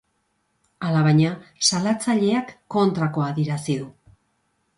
Alabaina, salatzaileak kontrakoa adierazi du.